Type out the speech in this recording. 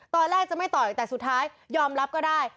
ตอนแรกจะไม่ต่อยแต่สุดท้ายยอมรับก็ได้